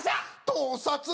盗撮だわ！